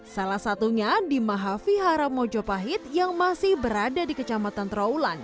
salah satunya di maha vihara mojopahit yang masih berada di kecamatan trawulan